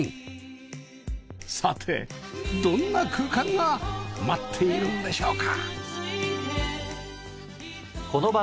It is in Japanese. さてどんな空間が待っているんでしょうか？